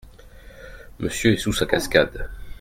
Monsieur est sous sa cascade.